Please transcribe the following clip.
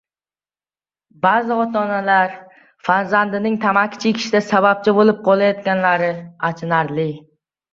Ba’zi ota-onalar farzandining tamaki chekishida sababchi bo‘lib qolayotgani achinarli